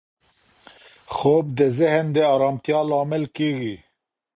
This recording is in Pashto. خوب د ذهن د ارامتیا لامل کېږي.